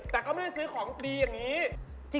แต่ก็ไม่ได้ซื้อของดีอย่างนี้